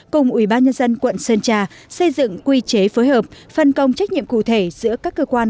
cùng ubnd quận sơn trà xây dựng quy chế phối hợp phân công trách nhiệm cụ thể giữa các cơ quan